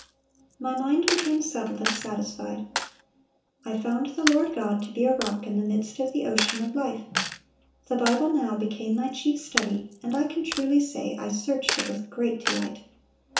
My mind became settled and satisfied. I found the Lord God to be a Rock in the midst of the ocean of life. The Bible now became my chief study, and I can truly say, I searched it with great delight.